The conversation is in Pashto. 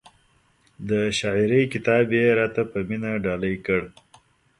د شاعرۍ کتاب یې را ته په مینه ډالۍ کړ.